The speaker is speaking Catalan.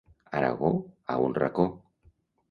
Aragó, a un racó.